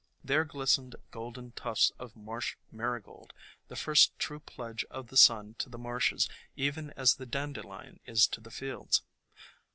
There glistened golden tufts of Marsh Marigold, the first true pledge of the sun to the marshes even as the Dandelion is to the fields.